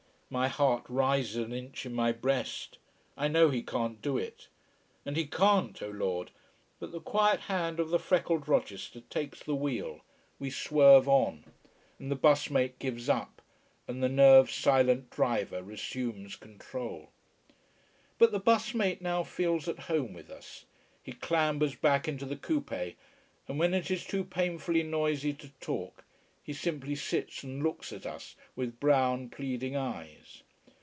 My heart rises an inch in my breast. I know he can't do it. And he can't, oh Lord but the quiet hand of the freckled Rochester takes the wheel, we swerve on. And the bus mate gives up, and the nerve silent driver resumes control. But the bus mate now feels at home with us. He clambers back into the coupé, and when it is too painfully noisy to talk, he simply sits and looks at us with brown, pleading eyes.